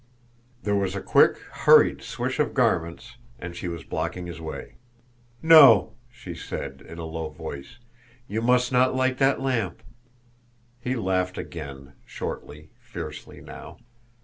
There was a quick, hurried swish of garments, and she was blocking his way. "No," she said, in a low voice; "you must not light that lamp." He laughed again, shortly, fiercely now.